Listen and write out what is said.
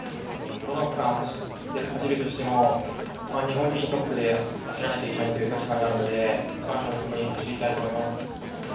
どの区間を走るとしても、日本人トップで走らなきゃいけないという立場にあるので、区間賞を目標に頑張りたいと思います。